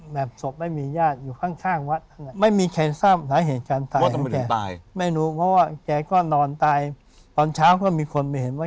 เออเออน่าจะใช้เวลานานพอละสมควร